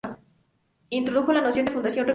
Introdujo la noción de función recursiva.